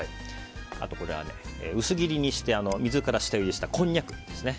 あと、薄切りにして水から下ゆでしたこんにゃく。